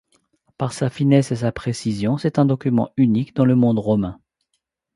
Par sa finesse et sa précision, c'est un document unique dans le monde romain.